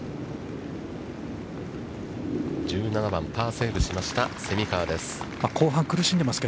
１７番、パーセーブしました蝉川です。